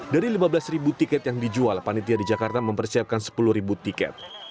dari lima belas ribu tiket yang dijual panitia di jakarta mempersiapkan sepuluh ribu tiket